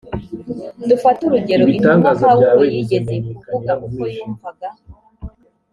dufate urugero intumwa pawulo yigeze kuvuga uko yumvaga